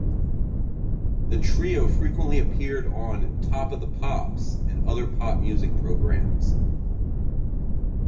The trio frequently appeared on "Top of the Pops" and other pop music programmes.